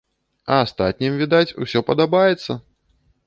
А астатнім, відаць, усё падабаецца!